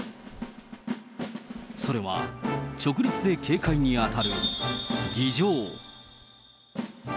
それは、直立で警戒に当たる儀じょう。